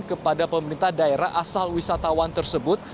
kepada pemerintah daerah asal wisatawan tersebut